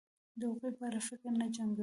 د هغوی په اړه فکر نه جنګوي